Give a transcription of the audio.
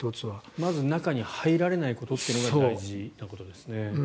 まず中に入られないということが大事なことですね。